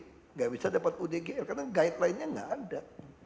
tidak bisa dapat udgl karena guideline nya nggak ada